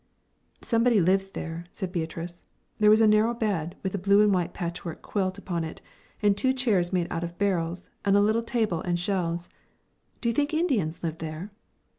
"Somebody lives there," said Beatrice. "There was a narrow bed, with a blue and white patchwork quilt upon it, and two chairs made out of barrels, and a little table and shelves, do you think Indians live there?"